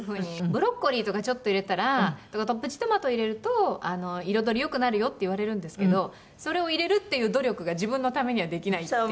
「ブロッコリーとかちょっと入れたらとかプチトマトを入れると彩りよくなるよって言われるんですけどそれを入れるっていう努力が自分のためにはできないっていう」